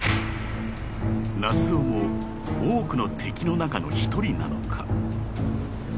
［夏雄も多くの敵の中の一人なのか？］